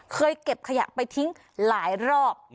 เก็บขยะไปทิ้งหลายรอบ